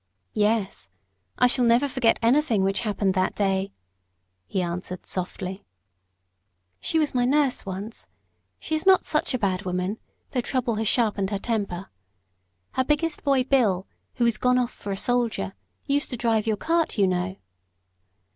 "Yes. I shall never forget anything which happened that day," he answered, softly. "She was my nurse once. She is not such a bad woman, though trouble has sharpened her temper. Her biggest boy Bill, who is gone off for a soldier, used to drive your cart, you know."